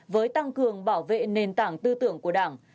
với tăng cường bảo vệ nền tảng tư tưởng của đảng